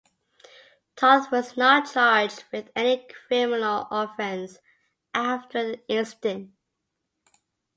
Toth was not charged with any criminal offence after the incident.